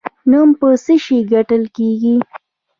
نوم په څه شي ګټل کیږي؟